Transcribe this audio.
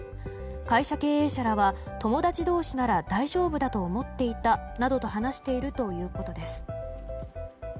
会社経営者らは、友達同士なら大丈夫だと思っていたなどと話しているということです。